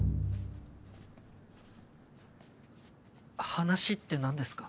話って何ですか？